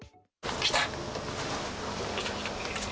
来た！